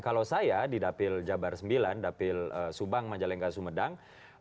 kalau saya di dapil jabar sembilan dapil subang majalengka sumedang